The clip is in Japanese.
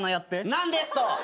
何ですと！？